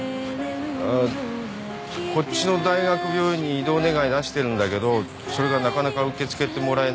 あこっちの大学病院に異動願出してるんだけどそれがなかなか受け付けてもらえなくて。